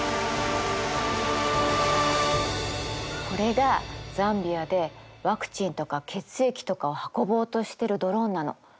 これがザンビアでワクチンとか血液とかを運ぼうとしてるドローンなの。